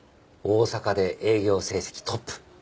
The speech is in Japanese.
大阪で営業成績トップ。